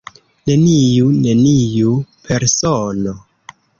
Neniu = neniu persono.